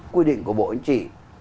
quy định của bộ anh chị